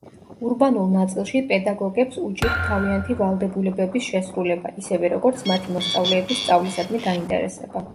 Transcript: ურბანულ ნაწილში პედაგოგებს უჭირთ თავიანთი ვალდებულებების შესრულება, ისევე როგორც მათი მოსწავლეების სწავლისადმი დაინტერესება.